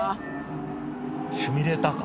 シミュレーターか。